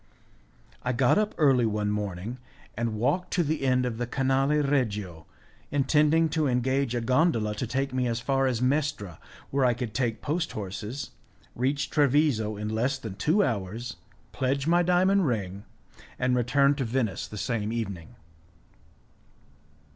I got up early one morning, and walked to the end of the canale regio, intending to engage a gondola to take me as far as Mestra, where I could take post horses, reach Treviso in less than two hours, pledge my diamond ring, and return to Venice the same evening.